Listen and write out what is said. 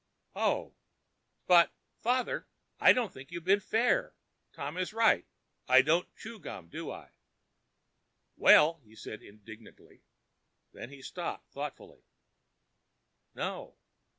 "Oh!" "But, father, I don't think you have been fair. Tom is right. I don't chew gum, do I?" "Well——" He was indignant. Then he stopped thoughtfully. "No."